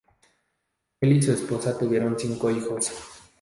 Él y su esposa tuvieron cinco hijos.